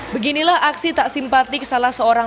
beginilah aksi tak simpatik salah seorang